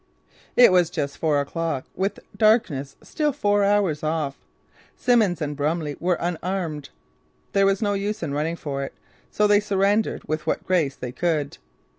It was just four o'clock with darkness still four hours off. Simmons and Brumley were unarmed. There was no use in running for it. So they surrendered with what grace they could.